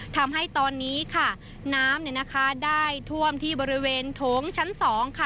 ทำให้ตอนนี้ค่ะน้ำเนี่ยนะคะได้ท่วมที่บริเวณโถงชั้น๒ค่ะ